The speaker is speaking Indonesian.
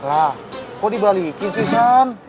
lah kok dibalikin sih san